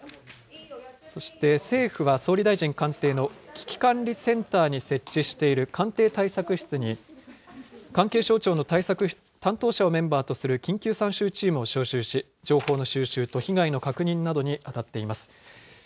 そして、政府は総理大臣官邸の危機管理センターに設置している官邸対策室に関係省庁の担当者をメンバーとする緊急参集チームを招集し、情報の収集と被害の確認などに当たっています。